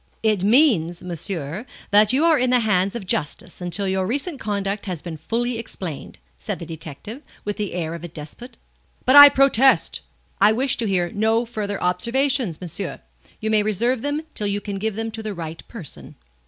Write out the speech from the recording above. "It means, monsieur, that you are in the hands of justice until your recent conduct has been fully explained," said the detective, with the air of a despot. "But I protest " "I wish to hear no further observations, monsieur. You may reserve them till you can give them to the right person."